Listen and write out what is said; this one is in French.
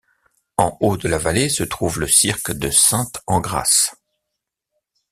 En haut de la vallée se trouve le cirque de Sainte-Engrâce.